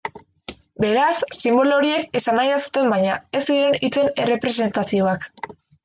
Beraz, sinbolo horiek esanahia zuten baina ez ziren hitzen errepresentazioak.